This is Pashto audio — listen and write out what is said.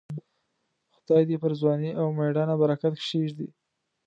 خدای دې پر ځوانۍ او مړانه برکت کښېږدي.